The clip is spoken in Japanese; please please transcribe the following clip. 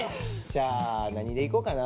じゃあ何でいこかな。